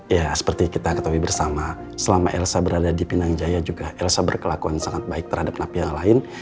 ya seperti kita ketahui bersama selama elsa berada di pinang jaya juga elsa berkelakuan sangat baik terhadap napi yang lain